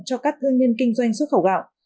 cho các thương nhân kinh doanh xuất khẩu gạo